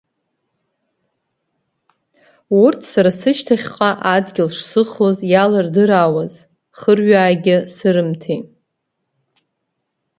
Урҭ сара сышьҭахьҟа адгьыл шсыхоз иалырдыраауаз, хырҩаагьы сырымҭеит.